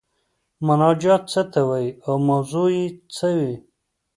مناجات څه ته وايي او موضوع یې څه وي؟